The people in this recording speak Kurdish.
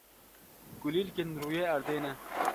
kulîlkên rûyê erde ne.